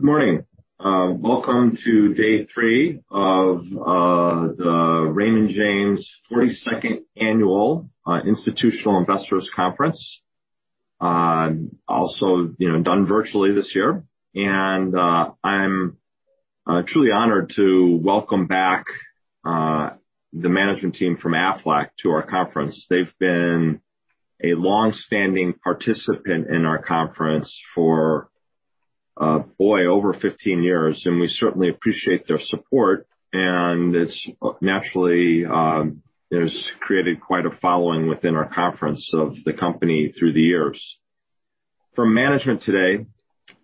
Good morning. Welcome to day three of the Raymond James 42nd Annual Institutional Investors Conference, also done virtually this year. I'm truly honored to welcome back the management team from Aflac to our conference. They've been a longstanding participant in our conference for, boy, over 15 years, and we certainly appreciate their support, and it's naturally created quite a following within our conference of the company through the years. From management today,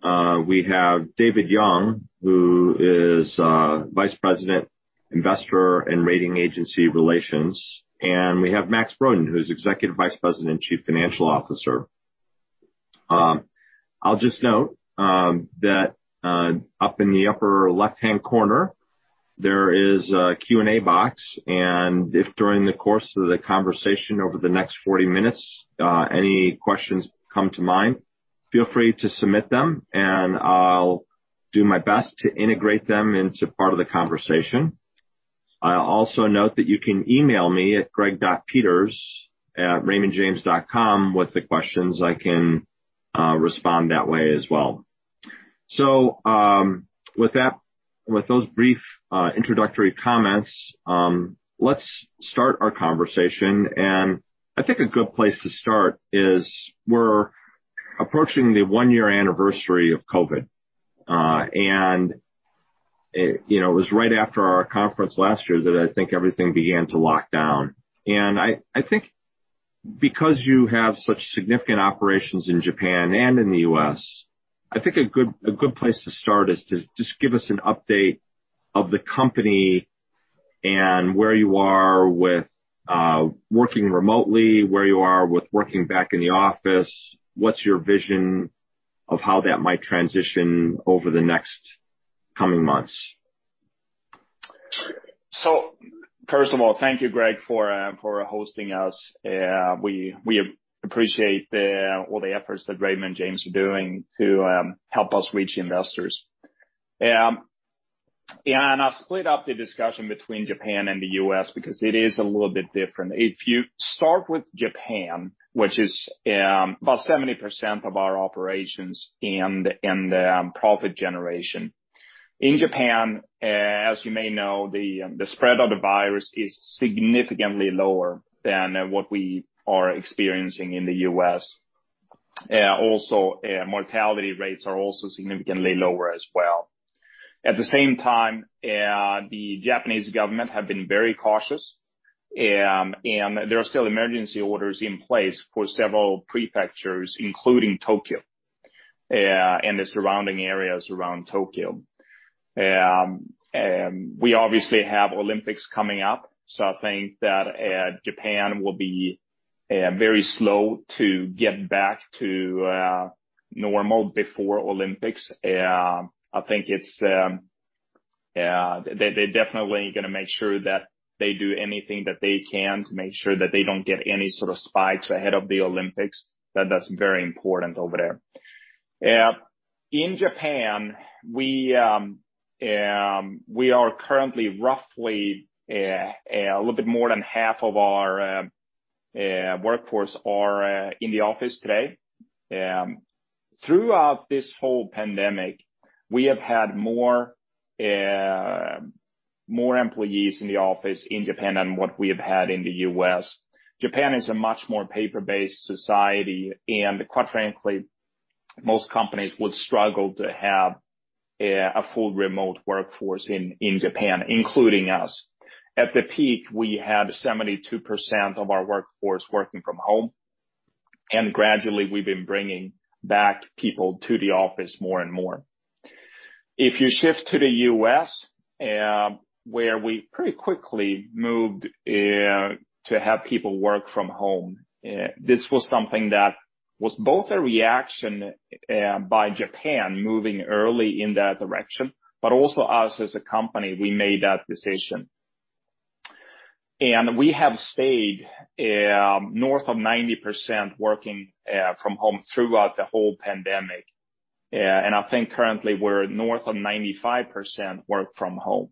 we have David Young, who is Vice President, Investor and Rating Agency Relations, and we have Max Brodén, who's Executive Vice President and Chief Financial Officer. I'll just note that up in the upper left-hand corner, there is a Q&A box, and if during the course of the conversation over the next 40 minutes any questions come to mind, feel free to submit them, and I'll do my best to integrate them into part of the conversation. I'll also note that you can email me at greg.peters@raymondjames.com with the questions. I can respond that way as well. With those brief introductory comments, let's start our conversation. I think a good place to start is we're approaching the one-year anniversary of COVID. It was right after our conference last year that I think everything began to lock down. I think because you have such significant operations in Japan and in the U.S., I think a good place to start is to just give us an update of the company and where you are with working remotely, where you are with working back in the office. What's your vision of how that might transition over the next coming months? First of all, thank you, Greg, for hosting us. We appreciate all the efforts that Raymond James are doing to help us reach investors. I'll split up the discussion between Japan and the U.S. because it is a little bit different. If you start with Japan, which is about 70% of our operations and profit generation. In Japan, as you may know, the spread of the virus is significantly lower than what we are experiencing in the U.S. Also, mortality rates are also significantly lower as well. At the same time, the Japanese government have been very cautious, and there are still emergency orders in place for several prefectures, including Tokyo, and the surrounding areas around Tokyo. We obviously have Olympics coming up, I think that Japan will be very slow to get back to normal before Olympics. I think they're definitely going to make sure that they do anything that they can to make sure that they don't get any sort of spikes ahead of the Olympics. That's very important over there. In Japan, we are currently roughly a little bit more than half of our workforce are in the office today. Throughout this whole pandemic, we have had more employees in the office in Japan than what we have had in the U.S. Japan is a much more paper-based society, and quite frankly, most companies would struggle to have a full remote workforce in Japan, including us. At the peak, we had 72% of our workforce working from home, gradually we've been bringing back people to the office more and more. If you shift to the U.S., where we pretty quickly moved to have people work from home, this was something that was both a reaction by Japan moving early in that direction, but also us as a company, we made that decision. We have stayed north of 90% working from home throughout the whole pandemic. I think currently we're north of 95% work from home.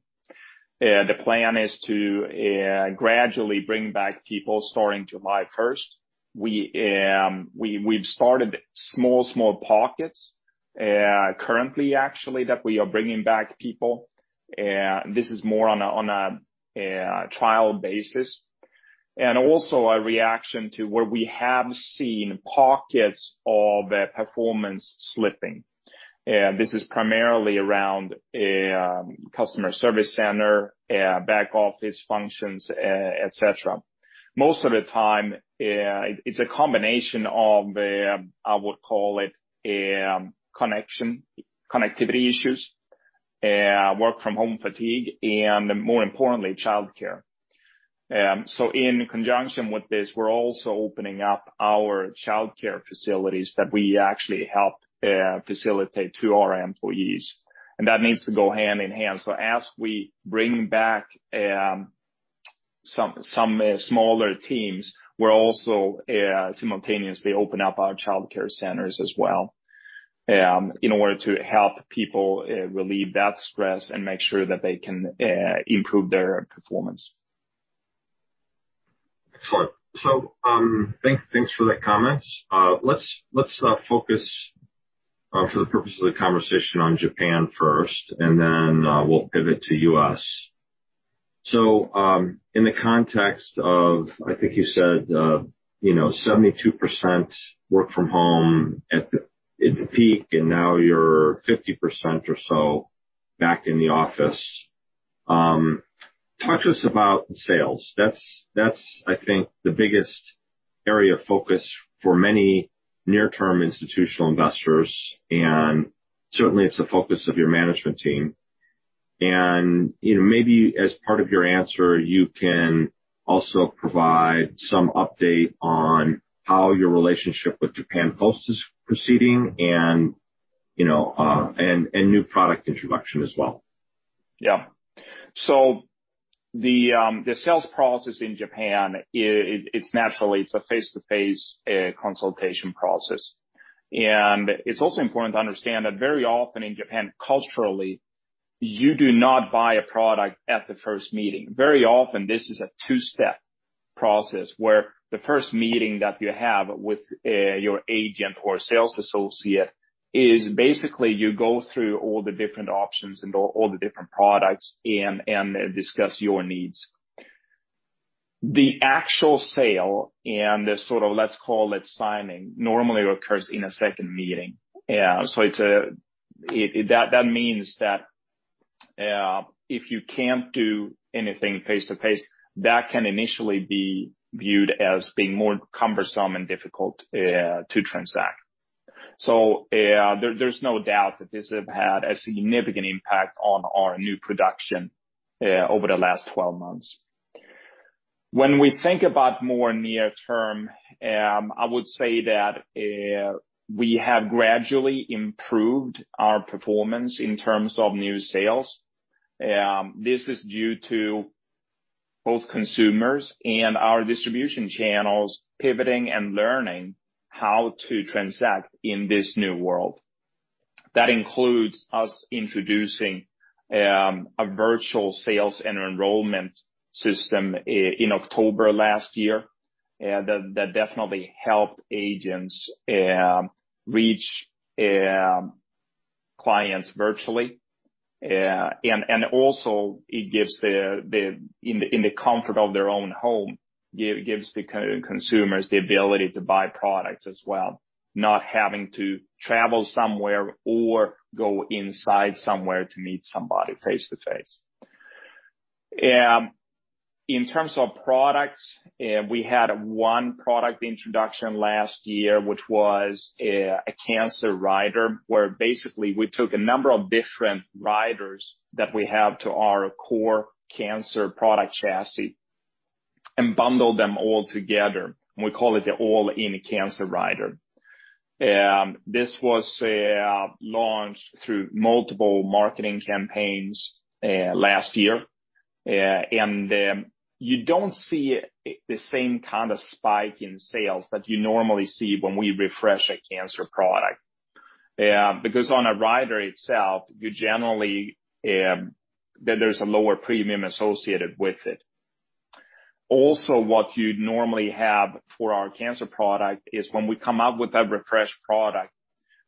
The plan is to gradually bring back people starting July 1st. We've started small pockets currently, actually, that we are bringing back people. This is more on a trial basis, and also a reaction to where we have seen pockets of performance slipping. This is primarily around customer service center, back office functions, et cetera. Most of the time, it's a combination of, I would call it, connectivity issues, work from home fatigue, and more importantly, childcare. In conjunction with this, we're also opening up our childcare facilities that we actually help facilitate to our employees, and that needs to go hand in hand. As we bring back. Some smaller teams were also simultaneously open up our childcare centers as well in order to help people relieve that stress and make sure that they can improve their performance. Excellent. Thanks for the comments. Let's focus for the purpose of the conversation on Japan first, and then we'll pivot to U.S. In the context of, I think you said 72% work from home at the peak, and now you're 50% or so back in the office. Talk to us about sales. That's, I think, the biggest area of focus for many near-term institutional investors, and certainly it's a focus of your management team. Maybe as part of your answer, you can also provide some update on how your relationship with Japan Post is proceeding and new product introduction as well. Yeah. The sales process in Japan, it's naturally, it's a face-to-face consultation process. It's also important to understand that very often in Japan, culturally, you do not buy a product at the first meeting. Very often, this is a two-step process where the first meeting that you have with your agent or sales associate is basically you go through all the different options and all the different products and discuss your needs. The actual sale and the sort of, let's call it signing, normally occurs in a second meeting. That means that if you can't do anything face-to-face, that can initially be viewed as being more cumbersome and difficult to transact. There's no doubt that this has had a significant impact on our new production over the last 12 months. When we think about more near term, I would say that we have gradually improved our performance in terms of new sales. This is due to both consumers and our distribution channels pivoting and learning how to transact in this new world. That includes us introducing a virtual sales and enrollment system in October last year. That definitely helped agents reach clients virtually. Also it gives in the comfort of their own home, gives the consumers the ability to buy products as well, not having to travel somewhere or go inside somewhere to meet somebody face-to-face. In terms of products, we had one product introduction last year, which was a cancer rider, where basically we took a number of different riders that we have to our core cancer product chassis and bundled them all together, and we call it the all-in cancer rider. This was launched through multiple marketing campaigns last year. You don't see the same kind of spike in sales that you normally see when we refresh a cancer product. On a rider itself, you generally, there's a lower premium associated with it. What you'd normally have for our cancer product is when we come out with a refreshed product,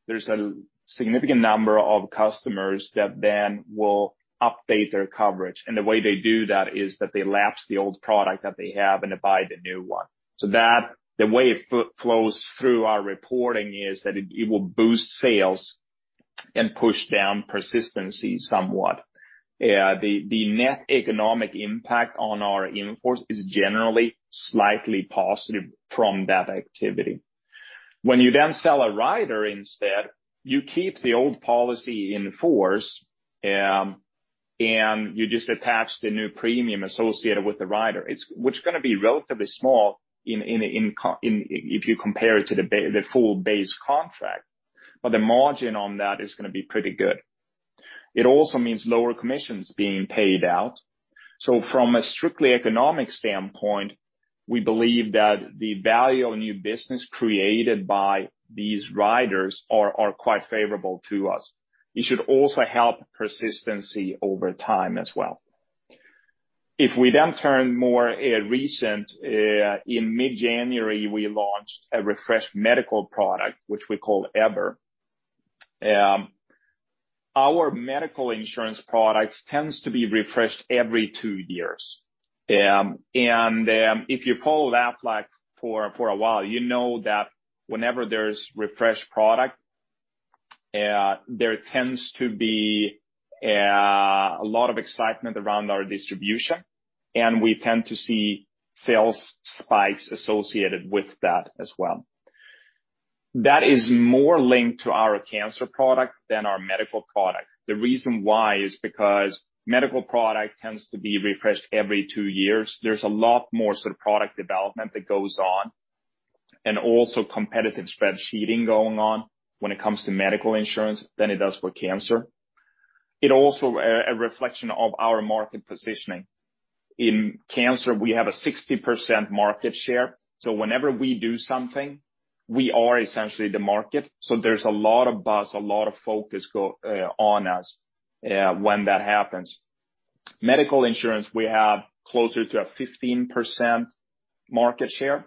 there's a significant number of customers that then will update their coverage. The way they do that is that they lapse the old product that they have and they buy the new one. The way it flows through our reporting is that it will boost sales and push down persistency somewhat. The net economic impact on our in-force is generally slightly positive from that activity. When you then sell a rider instead, you keep the old policy in force, and you just attach the new premium associated with the rider. Which is going to be relatively small if you compare it to the full base contract, but the margin on that is going to be pretty good. It also means lower commissions being paid out. From a strictly economic standpoint, we believe that the value of new business created by these riders are quite favorable to us. It should also help persistency over time as well. If we then turn more recent, in mid-January, we launched a refreshed medical product, which we call EVER. Our medical insurance products tends to be refreshed every two years. If you've followed Aflac for a while, you know that whenever there's refreshed product, there tends to be a lot of excitement around our distribution, and we tend to see sales spikes associated with that as well. That is more linked to our cancer product than our medical product. The reason why is because medical product tends to be refreshed every two years. There's a lot more sort of product development that goes on, and also competitive spreadsheeting going on when it comes to medical insurance than it does for cancer. It also a reflection of our market positioning. In cancer, we have a 60% market share, so whenever we do something, we are essentially the market. There's a lot of buzz, a lot of focus on us, when that happens. Medical insurance, we have closer to a 15% market share.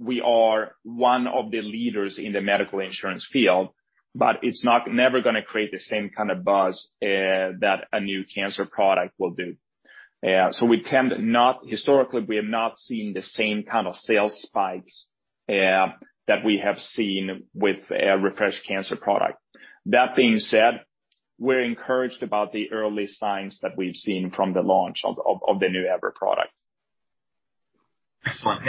We are one of the leaders in the medical insurance field, but it's never going to create the same kind of buzz that a new cancer product will do. Historically, we have not seen the same kind of sales spikes that we have seen with a refreshed cancer product. That being said, we're encouraged about the early signs that we've seen from the launch of the new EVER product. Excellent.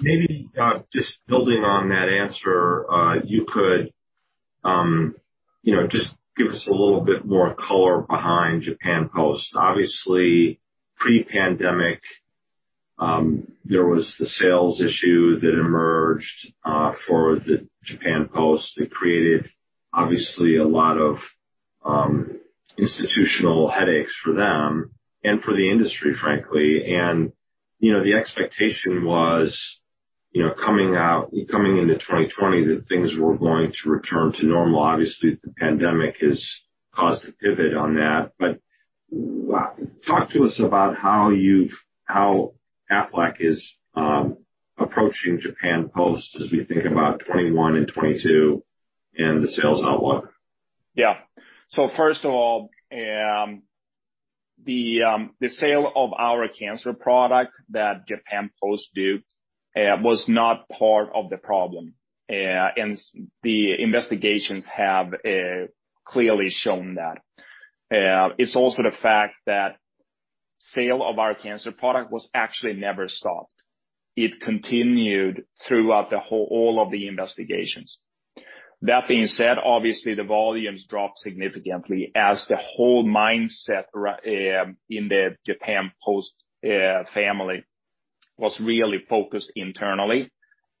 Maybe just building on that answer, you could just give us a little bit more color behind Japan Post. Obviously, pre-pandemic, there was the sales issue that emerged for the Japan Post that created obviously a lot of institutional headaches for them and for the industry, frankly. The expectation was coming into 2020 that things were going to return to normal. Obviously, the pandemic has caused a pivot on that. Talk to us about how Aflac is approaching Japan Post as we think about 2021 and 2022 and the sales outlook. First of all, the sale of our cancer product that Japan Post did was not part of the problem. The investigations have clearly shown that. It's also the fact that sale of our cancer product was actually never stopped. It continued throughout all of the investigations. That being said, obviously the volumes dropped significantly as the whole mindset in the Japan Post family was really focused internally.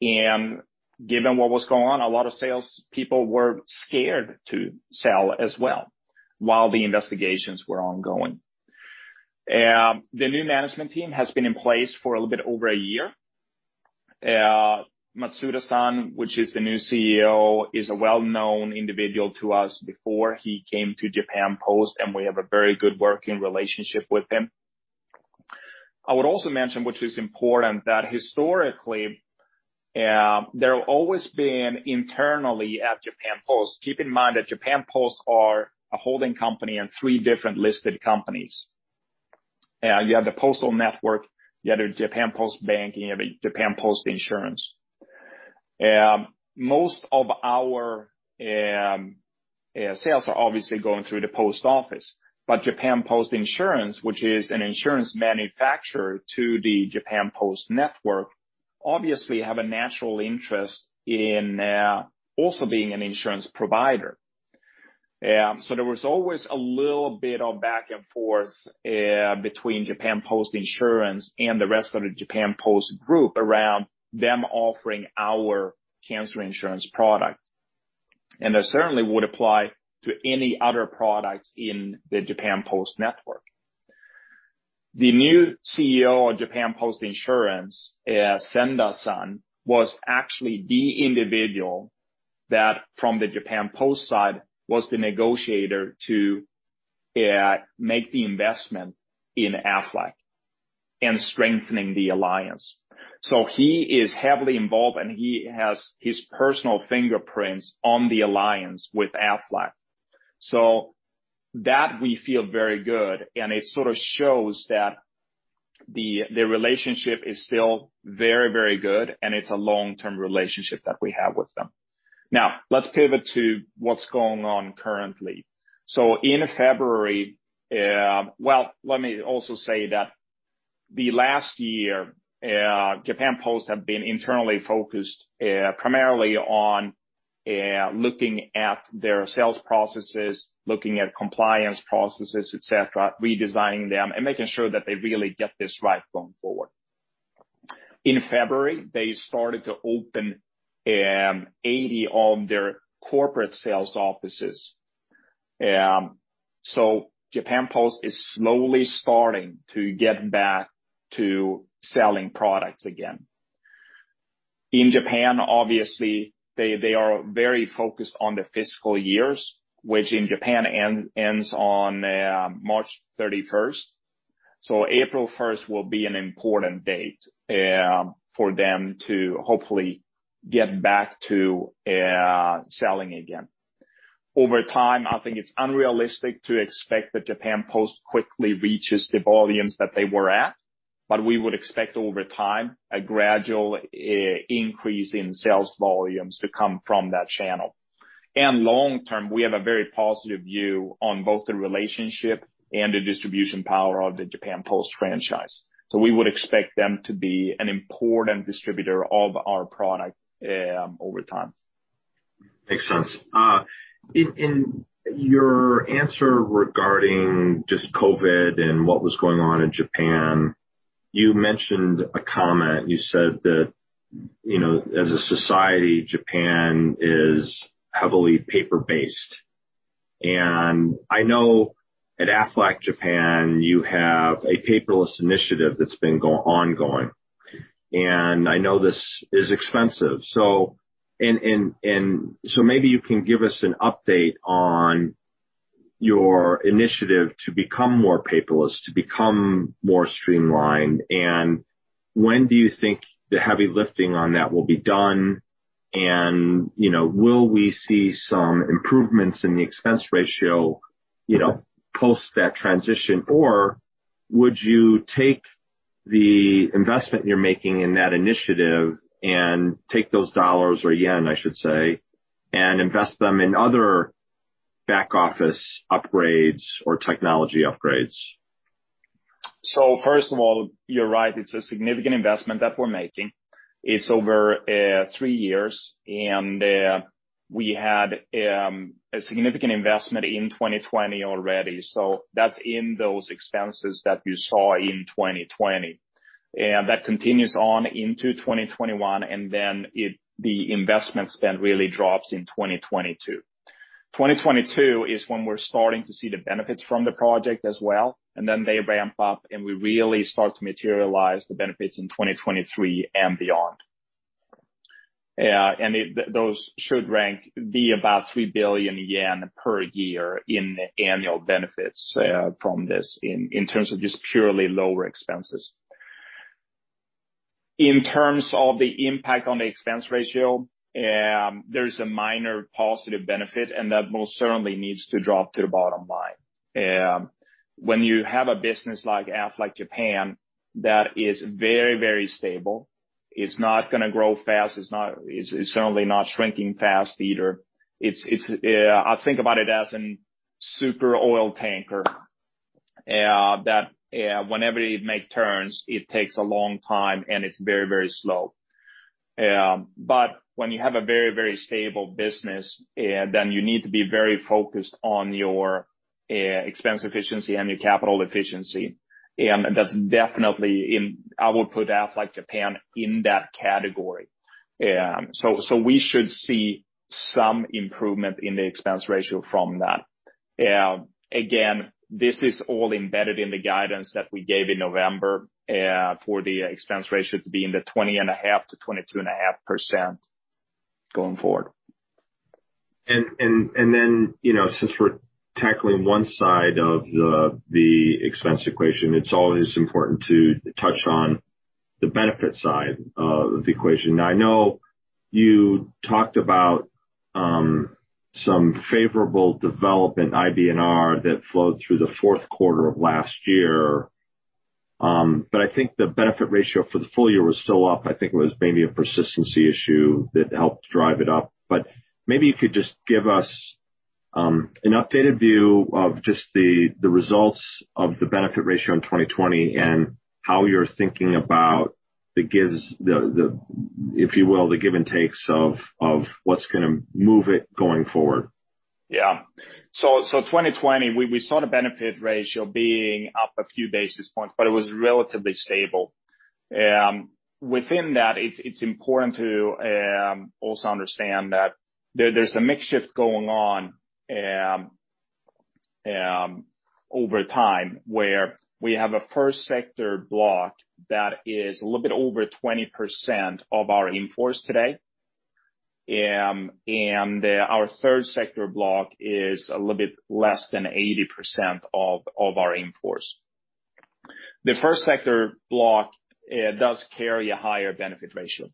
Given what was going on, a lot of salespeople were scared to sell as well while the investigations were ongoing. The new management team has been in place for a little bit over a year. Matsuda-san, which is the new CEO, is a well-known individual to us before he came to Japan Post, and we have a very good working relationship with him. I would also mention, which is important, that historically there have always been internally at Japan Post, keep in mind that Japan Post are a holding company and three different listed companies. You have the postal network, you have the Japan Post Bank, you have Japan Post Insurance. Most of our sales are obviously going through the post office. Japan Post Insurance, which is an insurance manufacturer to the Japan Post network, obviously have a natural interest in also being an insurance provider. There was always a little bit of back and forth between Japan Post Insurance and the rest of the Japan Post group around them offering our cancer insurance product, and that certainly would apply to any other products in the Japan Post network. The new CEO of Japan Post Insurance, Senda-san, was actually the individual that, from the Japan Post side, was the negotiator to make the investment in Aflac and strengthening the alliance. He is heavily involved, and he has his personal fingerprints on the alliance with Aflac. That we feel very good, and it sort of shows that the relationship is still very, very good, and it's a long-term relationship that we have with them. Now let's pivot to what's going on currently. Well, let me also say that the last year, Japan Post have been internally focused primarily on looking at their sales processes, looking at compliance processes, et cetera, redesigning them and making sure that they really get this right going forward. In February, they started to open 80 of their corporate sales offices. Japan Post is slowly starting to get back to selling products again. In Japan, obviously, they are very focused on the fiscal years, which in Japan ends on March 31st. April 1st will be an important date for them to hopefully get back to selling again. Over time, I think it's unrealistic to expect that Japan Post quickly reaches the volumes that they were at. We would expect over time a gradual increase in sales volumes to come from that channel. Long term, we have a very positive view on both the relationship and the distribution power of the Japan Post franchise. We would expect them to be an important distributor of our product over time. Makes sense. In your answer regarding just COVID and what was going on in Japan, you mentioned a comment. You said that As a society, Japan is heavily paper-based. I know at Aflac Japan, you have a paperless initiative that's been ongoing, and I know this is expensive. Maybe you can give us an update on your initiative to become more paperless, to become more streamlined, and when do you think the heavy lifting on that will be done? Will we see some improvements in the expense ratio post that transition? Would you take the investment you're making in that initiative and take those dollars, or yen, I should say, and invest them in other back-office upgrades or technology upgrades? First of all, you're right, it's a significant investment that we're making. It's over three years, and we had a significant investment in 2020 already. That's in those expenses that you saw in 2020. That continues on into 2021, then the investment spend really drops in 2022. 2022 is when we're starting to see the benefits from the project as well, then they ramp up, and we really start to materialize the benefits in 2023 and beyond. Those should rank be about 3 billion yen per year in annual benefits from this in terms of just purely lower expenses. In terms of the impact on the expense ratio, there is a minor positive benefit, and that most certainly needs to drop to the bottom line. When you have a business like Aflac Japan that is very stable. It's not going to grow fast. It's certainly not shrinking fast either. I think about it as a super oil tanker that whenever it makes turns, it takes a long time, and it's very slow. When you have a very stable business, then you need to be very focused on your expense efficiency and your capital efficiency. That's definitely, I would put Aflac Japan in that category. We should see some improvement in the expense ratio from that. Again, this is all embedded in the guidance that we gave in November for the expense ratio to be in the 20.5%-22.5% going forward. Since we're tackling one side of the expense equation, it's always important to touch on the benefit side of the equation. Now, I know you talked about some favorable development IBNR that flowed through the fourth quarter of last year. I think the benefit ratio for the full year was still up. I think it was maybe a persistency issue that helped drive it up. Maybe you could just give us an updated view of just the results of the benefit ratio in 2020 and how you're thinking about, if you will, the give and takes of what's going to move it going forward. 2020, we saw the benefit ratio being up a few basis points, but it was relatively stable. Within that, it's important to also understand that there's a mix shift going on over time, where we have a First Sector block that is a little bit over 20% of our in-force today, and our Third Sector block is a little bit less than 80% of our in-force. The First Sector block does carry a higher benefit ratio.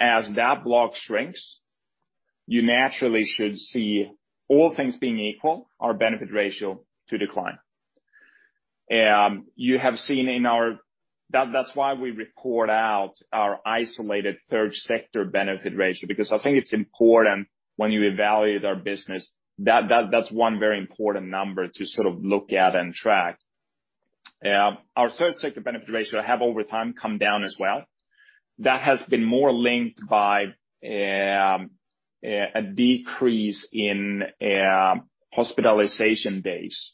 As that block shrinks, you naturally should see, all things being equal, our benefit ratio to decline. You have seen that's why we report out our isolated Third Sector benefit ratio, because I think it's important when you evaluate our business, that's one very important number to sort of look at and track. Our Third Sector benefit ratio have, over time, come down as well. That has been more linked by a decrease in hospitalization days.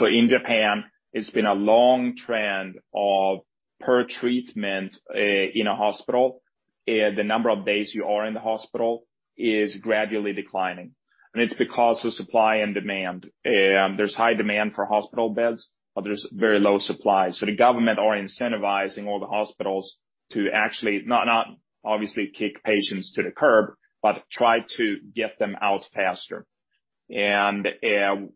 In Japan, it's been a long trend of per treatment in a hospital, the number of days you are in the hospital is gradually declining, and it's because of supply and demand. There's high demand for hospital beds, but there's very low supply. The government are incentivizing all the hospitals to actually not obviously kick patients to the curb, but try to get them out faster. The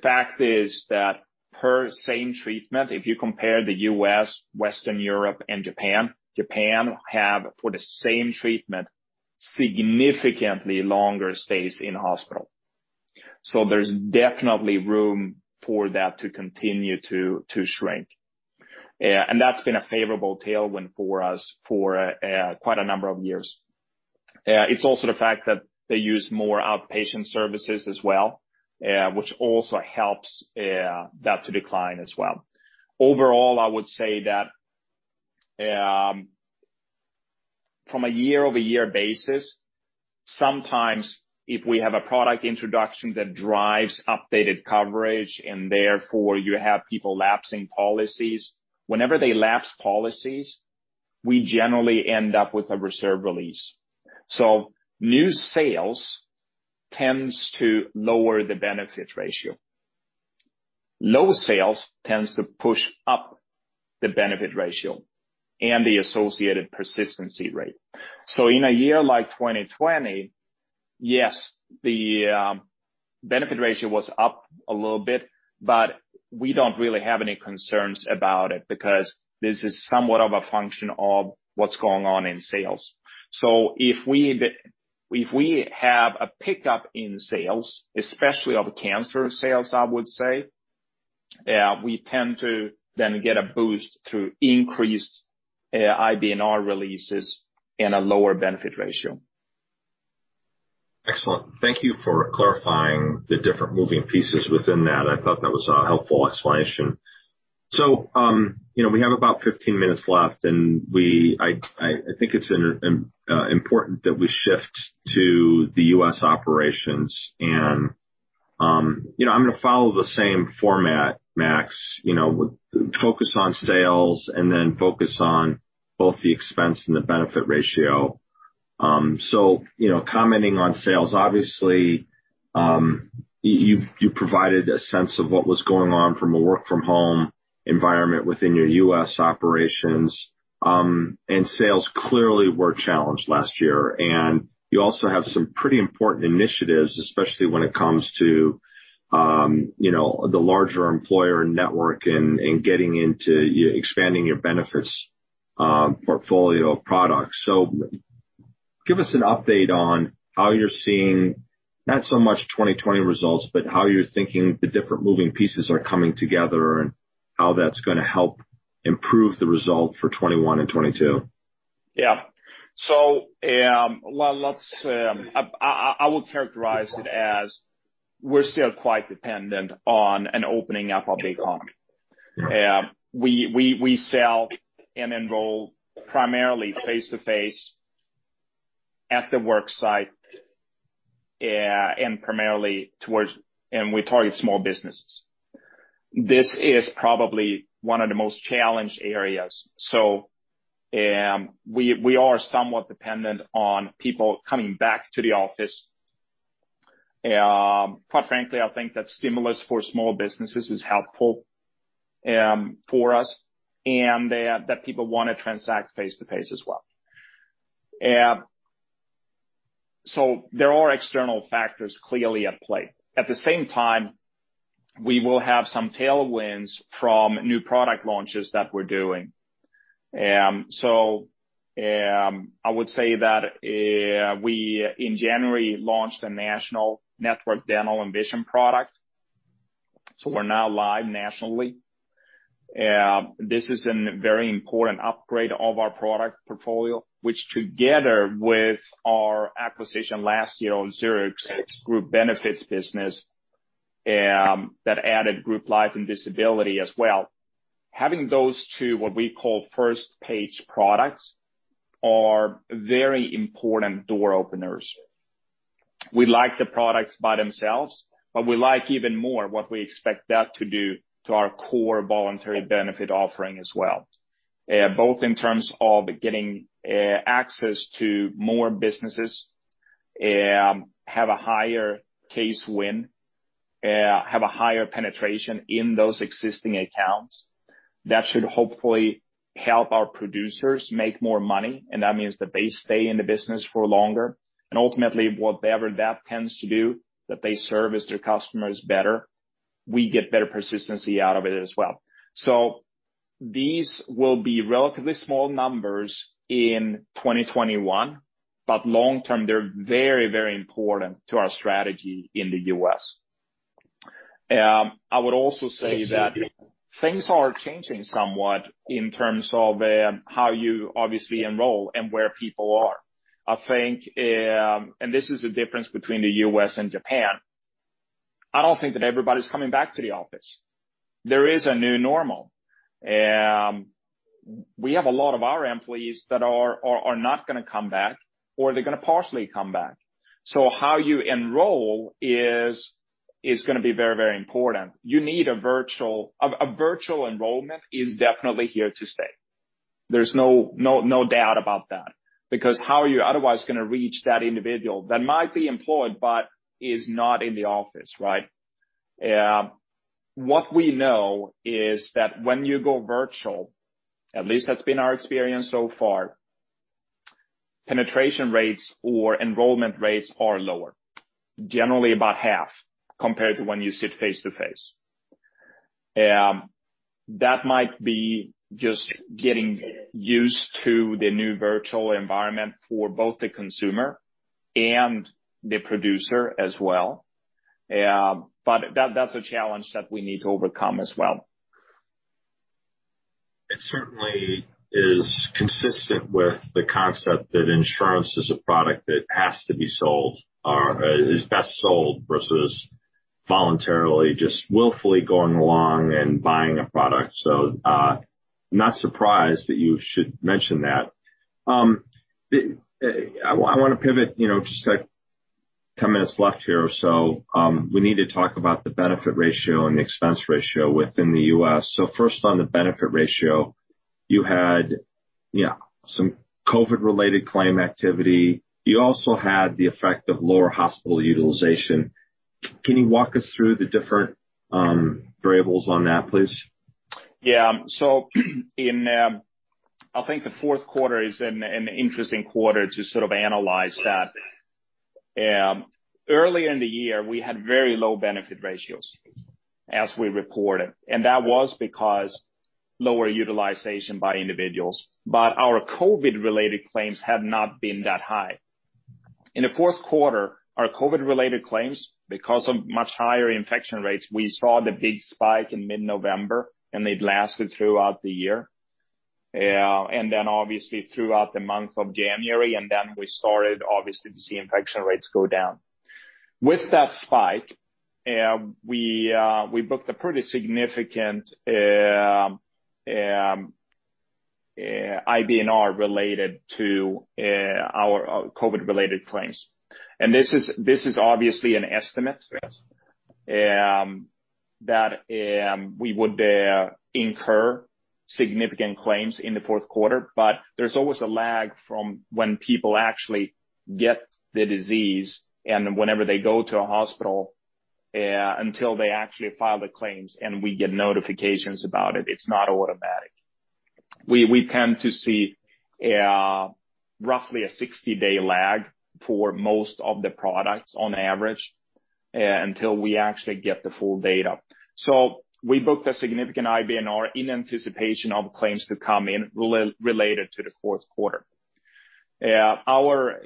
fact is that per same treatment, if you compare the U.S., Western Europe, and Japan have, for the same treatment, significantly longer stays in hospital. There's definitely room for that to continue to shrink. That's been a favorable tailwind for us for quite a number of years. It's also the fact that they use more outpatient services as well, which also helps that to decline as well. Overall, I would say that from a year-over-year basis, sometimes if we have a product introduction that drives updated coverage and therefore you have people lapsing policies, whenever they lapse policies, we generally end up with a reserve release. New sales tends to lower the benefit ratio. Low sales tends to push up the benefit ratio and the associated persistency rate. In a year like 2020, yes, the benefit ratio was up a little bit, but we don't really have any concerns about it because this is somewhat of a function of what's going on in sales. If we have a pickup in sales, especially of cancer sales, I would say, we tend to then get a boost through increased IBNR releases and a lower benefit ratio. Excellent. Thank you for clarifying the different moving pieces within that. I thought that was a helpful explanation. We have about 15 minutes left, and I think it's important that we shift to the U.S. operations. I'm going to follow the same format, Max, with focus on sales and then focus on both the expense and the benefit ratio. Commenting on sales, obviously, you provided a sense of what was going on from a work-from-home environment within your U.S. operations. Sales clearly were challenged last year, and you also have some pretty important initiatives, especially when it comes to the larger employer network and getting into expanding your benefits portfolio of products. Give us an update on how you're seeing, not so much 2020 results, but how you're thinking the different moving pieces are coming together, and how that's going to help improve the result for 2021 and 2022. Yeah. I would characterize it as we're still quite dependent on an opening up of the economy. Right. We sell and enroll primarily face-to-face at the work site, and we target small businesses. This is probably one of the most challenged areas. We are somewhat dependent on people coming back to the office. Quite frankly, I think that stimulus for small businesses is helpful for us, and that people want to transact face-to-face as well. There are external factors clearly at play. At the same time, we will have some tailwinds from new product launches that we're doing. I would say that we, in January, launched a national network dental and vision product, so we're now live nationally. This is a very important upgrade of our product portfolio, which together with our acquisition last year of Zurich's Group Benefits business, that added group life and disability as well. Having those two, what we call first-page products, are very important door openers. We like the products by themselves, but we like even more what we expect that to do to our core voluntary benefit offering as well. Both in terms of getting access to more businesses, have a higher case win, have a higher penetration in those existing accounts. That should hopefully help our producers make more money, and that means that they stay in the business for longer. And ultimately, whatever that tends to do, that they service their customers better, we get better persistency out of it as well. These will be relatively small numbers in 2021, but long-term, they're very important to our strategy in the U.S. I would also say that things are changing somewhat in terms of how you obviously enroll and where people are. I think, and this is the difference between the U.S. and Japan, I don't think that everybody's coming back to the office. There is a new normal. We have a lot of our employees that are not going to come back, or they're going to partially come back. So how you enroll is going to be very important. A virtual enrollment is definitely here to stay. There's no doubt about that. Because how are you otherwise going to reach that individual that might be employed but is not in the office, right? What we know is that when you go virtual, at least that's been our experience so far, penetration rates or enrollment rates are lower. Generally about half compared to when you sit face-to-face. That might be just getting used to the new virtual environment for both the consumer and the producer as well. That's a challenge that we need to overcome as well. It certainly is consistent with the concept that insurance is a product that has to be sold or is best sold versus voluntarily, just willfully going along and buying a product. I'm not surprised that you should mention that. I want to pivot, just 10 minutes left here or so. We need to talk about the benefit ratio and the expense ratio within the U.S. First on the benefit ratio, you had some COVID-related claim activity. You also had the effect of lower hospital utilization. Can you walk us through the different variables on that, please? I think the fourth quarter is an interesting quarter to sort of analyze that. Earlier in the year, we had very low benefit ratios as we reported, and that was because lower utilization by individuals. Our COVID-related claims have not been that high. In the fourth quarter, our COVID-related claims, because of much higher infection rates, we saw the big spike in mid-November, and they'd lasted throughout the year, and then obviously throughout the month of January, and then we started obviously to see infection rates go down. With that spike, we booked a pretty significant IBNR related to our COVID-related claims. This is obviously an estimate that we would incur significant claims in the fourth quarter. There's always a lag from when people actually get the disease and whenever they go to a hospital until they actually file the claims and we get notifications about it. It's not automatic. We tend to see roughly a 60-day lag for most of the products on average until we actually get the full data. We booked a significant IBNR in anticipation of claims to come in related to the fourth quarter. Our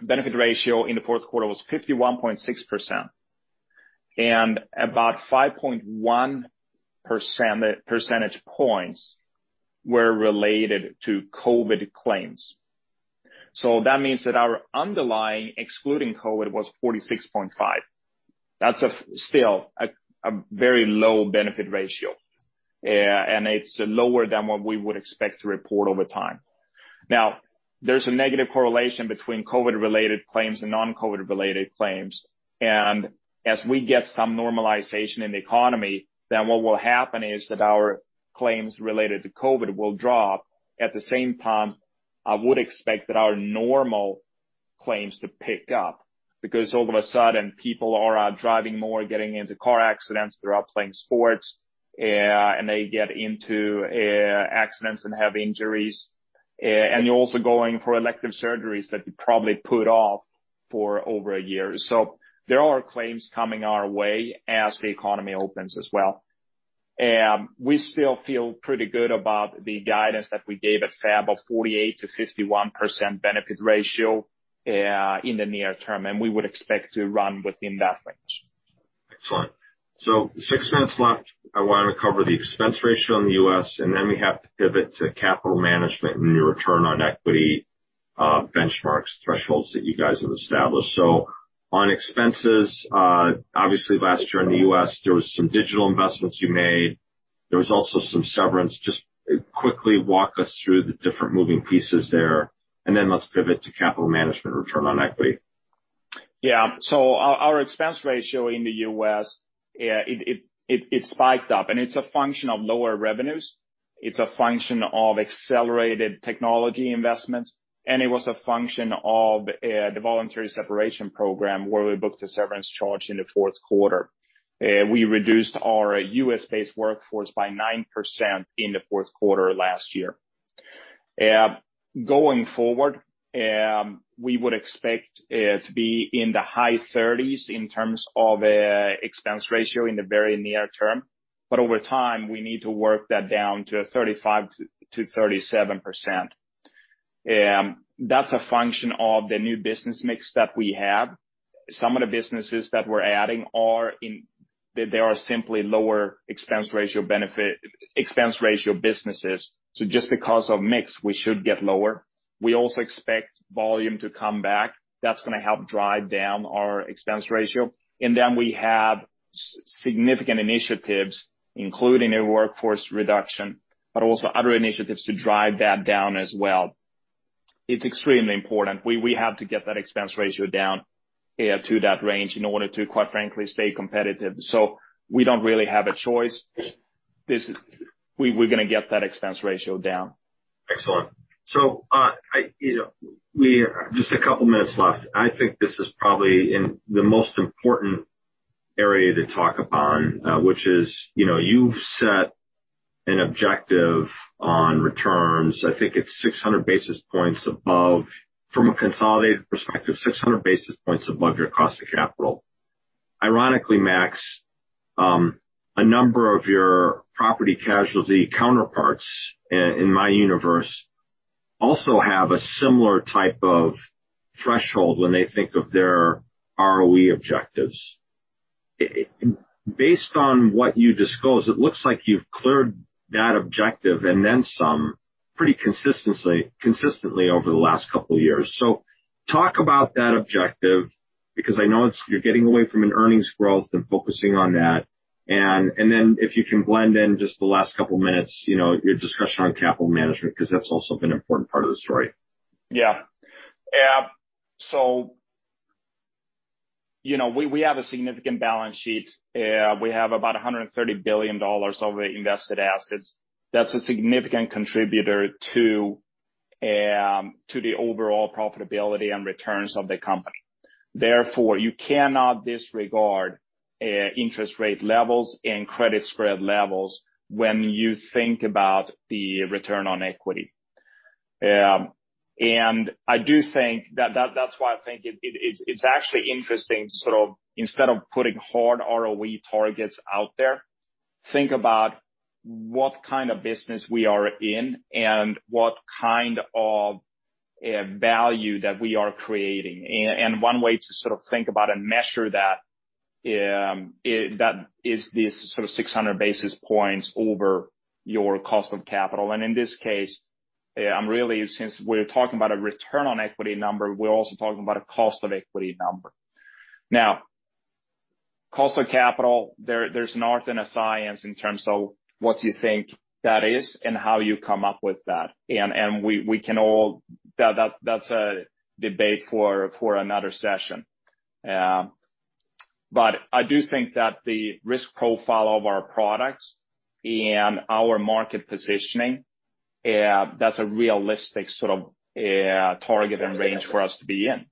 benefit ratio in the fourth quarter was 51.6%, and about 5.1% percentage points were related to COVID claims. That means that our underlying excluding COVID was 46.5%. That's still a very low benefit ratio, and it's lower than what we would expect to report over time. There's a negative correlation between COVID-related claims and non-COVID-related claims. As we get some normalization in the economy, what will happen is that our claims related to COVID will drop. At the same time, I would expect that our normal claims to pick up because all of a sudden, people are out driving more, getting into car accidents, they're out playing sports, and they get into accidents and have injuries. You're also going for elective surgeries that you probably put off for over a year. There are claims coming our way as the economy opens as well. We still feel pretty good about the guidance that we gave at FAB of 48%-51% benefit ratio in the near term, and we would expect to run within that range. Excellent. Six minutes left. I want to cover the expense ratio in the U.S., and then we have to pivot to capital management and your return on equity benchmarks thresholds that you guys have established. On expenses, obviously last year in the U.S., there were some digital investments you made. There was also some severance. Just quickly walk us through the different moving pieces there, and then let's pivot to capital management return on equity. Yeah. Our expense ratio in the U.S. it spiked up, and it's a function of lower revenues. It's a function of accelerated technology investments, and it was a function of the voluntary separation program where we booked a severance charge in the fourth quarter. We reduced our U.S.-based workforce by 9% in the fourth quarter last year. Going forward, we would expect it to be in the high 30s in terms of expense ratio in the very near term. Over time, we need to work that down to 35%-37%. That's a function of the new business mix that we have. Some of the businesses that we're adding they are simply lower expense ratio businesses. Just because of mix, we should get lower. We also expect volume to come back. That's going to help drive down our expense ratio. We have significant initiatives, including a workforce reduction, but also other initiatives to drive that down as well. It's extremely important. We have to get that expense ratio down to that range in order to, quite frankly, stay competitive. We don't really have a choice. We're going to get that expense ratio down. Excellent. Just a couple of minutes left. I think this is probably the most important area to talk upon, which is you've set an objective on returns. I think it's 600 basis points above from a consolidated perspective, 600 basis points above your cost of capital. Ironically, Max, a number of your property casualty counterparts in my universe also have a similar type of threshold when they think of their ROE objectives. Based on what you disclosed, it looks like you've cleared that objective and then some pretty consistently over the last couple of years. Talk about that objective, because I know you're getting away from an earnings growth and focusing on that, and then if you can blend in just the last couple of minutes, your discussion on capital management, because that's also been an important part of the story. We have a significant balance sheet. We have about $130 billion of invested assets. That's a significant contributor to the overall profitability and returns of the company. Therefore, you cannot disregard interest rate levels and credit spread levels when you think about the return on equity. That's why I think it's actually interesting to sort of, instead of putting hard ROE targets out there, think about what kind of business we are in and what kind of value that we are creating. One way to sort of think about and measure that is this sort of 600 basis points over your cost of capital. In this case, since we're talking about a return on equity number, we're also talking about a cost of equity number. Now, cost of capital, there's an art and a science in terms of what you think that is and how you come up with that. That's a debate for another session. I do think that the risk profile of our products and our market positioning, that's a realistic sort of target and range for us to be in.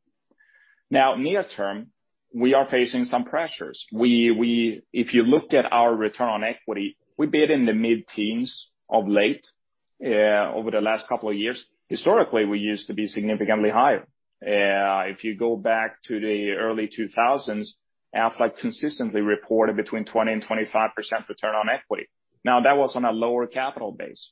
Now, near term, we are facing some pressures. If you looked at our return on equity, we've been in the mid-teens of late over the last couple of years. Historically, we used to be significantly higher. If you go back to the early 2000s, Aflac consistently reported between 20%-25% return on equity. Now, that was on a lower capital base.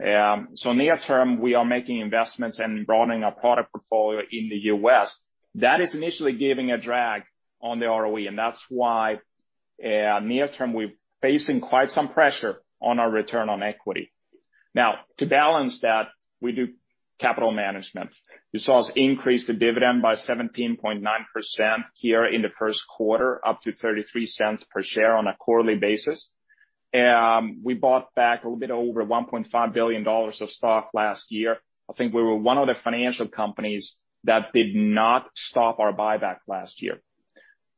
Near term, we are making investments and broadening our product portfolio in the U.S. That is initially giving a drag on the ROE, that's why near term, we're facing quite some pressure on our return on equity. Now, to balance that, we do capital management. You saw us increase the dividend by 17.9% here in the first quarter, up to $0.33 per share on a quarterly basis. We bought back a little bit over $1.5 billion of stock last year. I think we were one of the financial companies that did not stop our buyback last year.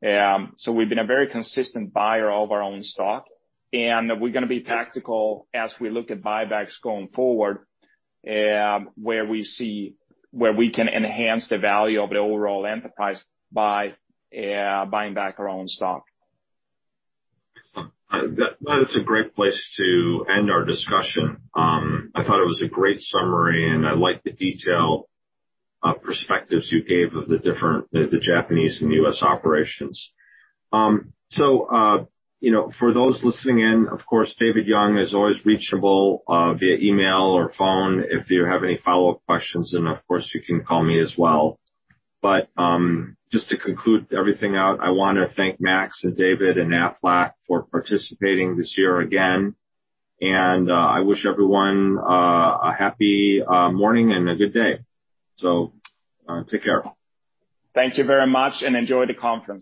We've been a very consistent buyer of our own stock, and we're going to be tactical as we look at buybacks going forward, where we can enhance the value of the overall enterprise by buying back our own stock. Excellent. That's a great place to end our discussion. I thought it was a great summary, and I like the detailed perspectives you gave of the different, the Japanese and U.S. operations. For those listening in, of course, David Young is always reachable via email or phone if you have any follow-up questions, of course, you can call me as well. Just to conclude everything out, I want to thank Max and David and Aflac for participating this year again. I wish everyone a happy morning and a good day. Take care. Thank you very much, and enjoy the conference.